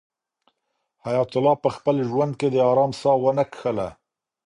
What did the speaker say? حیات الله په خپل ژوند کې د آرام ساه ونه کښله.